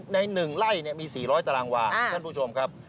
ใน๑ไร่มี๔๐๐ตารางวาท่านผู้ชมครับ